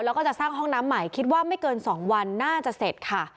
แล้วก็จะสร้างห้องน้ำใหม่คิดว่าไม่เกิน๒วันน่าจะเสร็จค่ะ